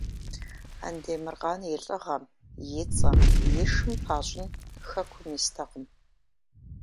Андемыркъан и лӀыгъэм и цӀэм и шым пащӀын хэкум истэкъым.